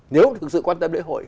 nếu thực sự quan tâm lễ hội